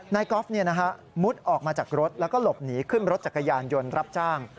กอล์ฟมุดออกมาจากรถแล้วก็หลบหนีขึ้นรถจักรยานยนต์รับจ้าง